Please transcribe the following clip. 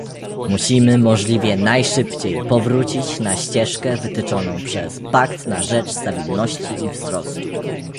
Musimy możliwie najszybciej powrócić na ścieżkę wytyczoną przez pakt na rzecz stabilności i wzrostu